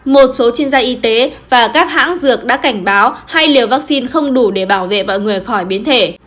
một số chuyên gia y tế và các hãng dược đã cảnh báo hai liều vaccine không đủ để bảo vệ mọi người khỏi biến thể